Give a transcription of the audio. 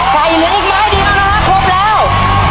ไก่เหลืออีกไม้เดียวนะครับครบแล้ว